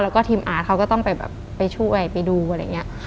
แล้วก็ทีมอาร์ตเขาก็ต้องไปแบบไปช่วยไปดูอะไรอย่างนี้